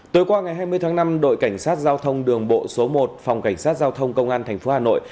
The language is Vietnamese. tới qua ngày hai mươi tháng năm đội cảnh sát giao thông đường bộ số một phòng cảnh sát giao thông công an thành phố hà nội